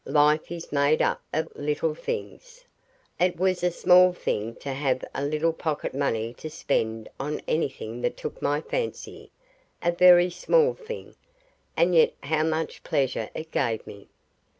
Life is made up of little things. It was a small thing to have a little pocket money to spend on anything that took my fancy a very small thing, and yet how much pleasure it gave me.